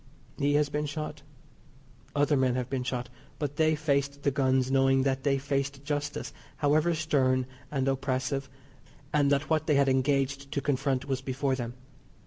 He has been shot. Other men have been shot, but they faced the guns knowing that they faced justice, however stern and oppressive; and that what they had engaged to confront was before them.